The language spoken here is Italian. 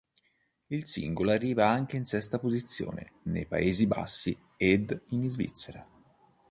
Il singolo arriva anche in sesta posizione nei Paesi Bassi ed in Svizzera.